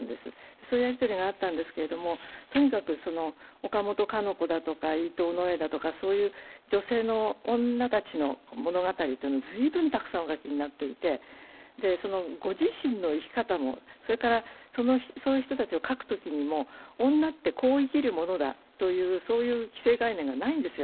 そういうやり取りがあったんですけれども、とにかく岡本かの子だとか、伊藤野枝だとか、女たちの物語を随分たくさんお書きになっていて、ご自身の生き方も、それからそういう人たちを書くときにも女ってこう生きるものだという既成概念がないんですよ。